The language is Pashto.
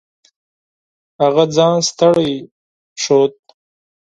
هغه ځان ستړی ښود.